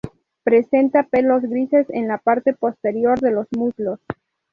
Presenta pelos grises en la parte posterior de los muslos.